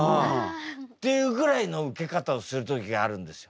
っていうぐらいのウケ方をする時があるんですよ。